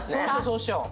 そうしよう。